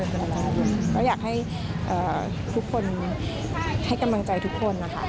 ก็อยากให้ทุกคนให้กำลังใจทุกคนนะคะ